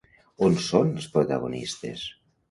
On son els protagonistes?